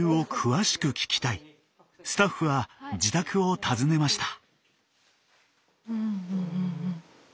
スタッフは自宅を訪ねました。